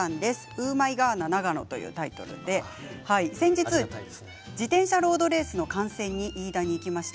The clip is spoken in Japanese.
ウーマイガーナガノというタイトルで先日、自転車ロードレースの観戦に飯田に行きました。